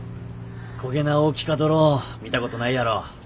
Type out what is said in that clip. こげな大きかドローン見たことないやろ。